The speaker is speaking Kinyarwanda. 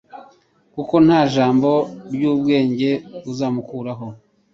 kuko nta jambo ry’ubwenge uzamukuraho